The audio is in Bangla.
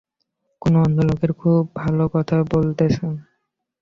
কোনো অন্ধ লোকের খুব ভাল কথা বলতেছেন।